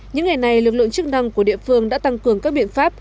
những ngày này lực lượng chức năng của địa phương đã tăng cường các biện pháp